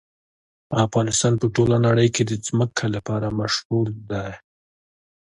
افغانستان په ټوله نړۍ کې د ځمکه لپاره مشهور دی.